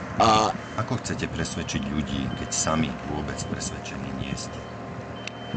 Ako chcete presvedčiť ľudí, keď sami vôbec presvedčení nie ste?